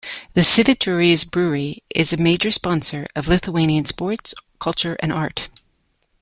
The Švyturys Brewery is a major sponsor of Lithuanian sports, culture and art.